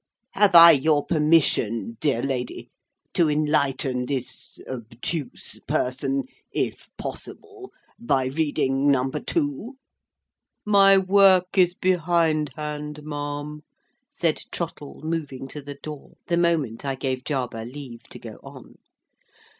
Have I your permission, dear lady, to enlighten this obtuse person, if possible, by reading Number Two?" "My work is behindhand, ma'am," said Trottle, moving to the door, the moment I gave Jarber leave to go on.